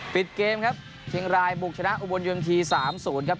ปิดเกมครับเชียงรายบุกชนะอุบลยนที๓๐ครับ